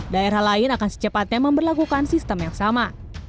daerah lain akan secepatnya memperlakukan sistem yang sama